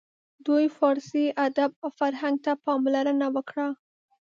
دوی فارسي ادب او فرهنګ ته پاملرنه وکړه.